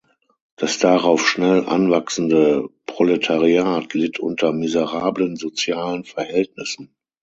Das darauf schnell anwachsende Proletariat litt unter miserablen sozialen Verhältnissen.